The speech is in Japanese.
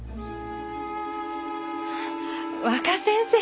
若先生